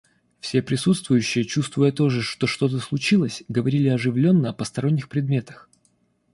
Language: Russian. Все присутствующие, чувствуя тоже, что что-то случилось, говорили оживленно о посторонних предметах.